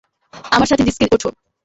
আমার সাথে ডিস্কে ওঠো।